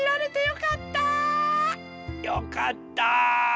よかった！